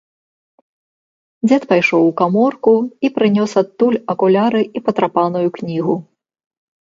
Дзед пайшоў у каморку і прынёс адтуль акуляры і патрапаную кнігу.